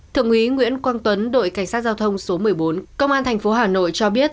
thượng quý nguyễn quang tuấn đội cảnh sát giao thông số một mươi bốn công an thành phố hà nội cho biết